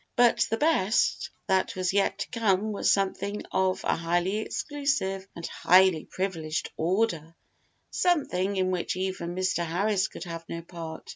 But the best that was yet to come was something of a highly exclusive and highly privileged order something in which even Mr. Harris could have no part.